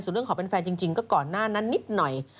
เรื่องของเป็นแฟนจริงก็ก่อนหน้านั้นนิดหน่อย